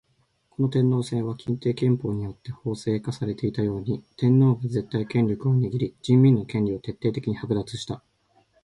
この天皇制は欽定憲法によって法制化されていたように、天皇が絶対権力を握り人民の権利を徹底的に剥奪した。